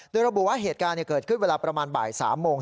โดยระบุว่าเหตุการณ์เกิดขึ้นเวลาประมาณบ่าย๓โมง